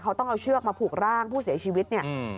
เขาต้องเอาเชือกมาผูกร่างผู้เสียชีวิตเนี่ย